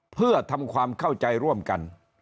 เพื่อทำความเข้าใจร่วมกัน